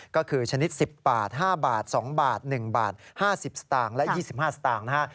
ก็คือชนิดสิบบาทห้าบาทสองบาทหนึ่งบาทห้าสิบสตางค์และยี่สิบห้าสตางค์นะฮะ